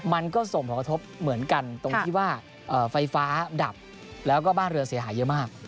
มันก็ส่งผลกระทบเหมือนกันตรงที่ว่าไฟฟ้าดับแล้วก็บ้านเรือเสียหายเยอะมาก